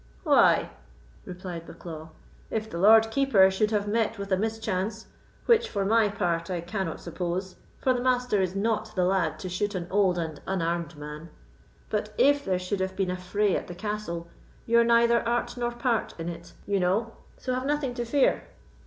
"Why," replied Bucklaw, "if the Lord Keeper should have met with a mischance, which for my part I cannot suppose, for the Master is not the lad to shoot an old and unarmed man—but if there should have been a fray at the Castle, you are neither art not part in it, you know, so have nothing to fear."